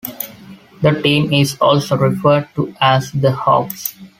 The team is also referred to as the "Hawks".